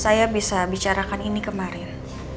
saya bisa bicarakan ini kemarin